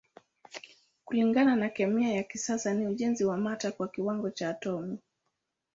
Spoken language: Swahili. Kulingana na kemia ya kisasa ni ujenzi wa mata kwa kiwango cha atomi.